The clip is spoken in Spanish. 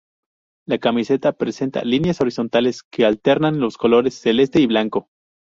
La camiseta presenta líneas horizontales que alternan los colores celeste y blanco.